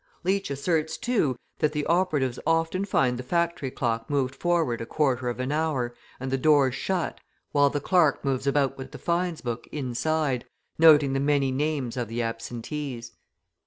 Leach asserts, too, that the operatives often find the factory clock moved forward a quarter of an hour and the doors shut, while the clerk moves about with the fines book inside, noting the many names of the absentees.